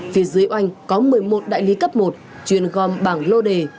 phía dưới oanh có một mươi một đại lý cấp một chuyên gom bảng lô đề